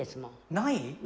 ない。